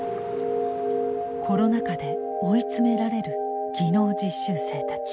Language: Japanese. コロナ禍で追い詰められる技能実習生たち。